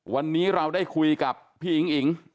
วันนี้เราได้คุยกับพี่อิ๋งอิ๋ง